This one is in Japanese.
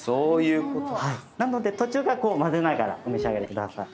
なので途中から混ぜながらお召し上がりください。